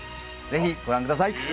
ぜひご覧ください